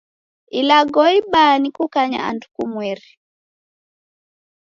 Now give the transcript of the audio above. Ilagho ibaa ni kukanya andu kumweri.